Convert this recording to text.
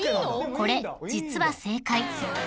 ［これ実は正解］